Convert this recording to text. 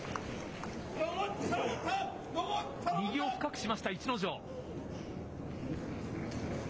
右を深くしました、逸ノ城。